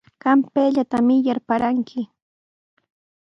Qam payllatami yarparanki.